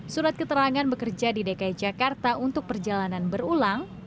surat keterangan bekerja di dki jakarta untuk perjalanan berulang